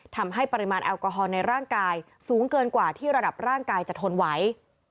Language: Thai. ทำให้ปริมาณแอลกอฮอลในร่างกายสูงเกินกว่าที่ระดับร่างกายจะทนไหว